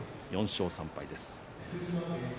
４勝３敗です。